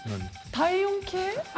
体温計？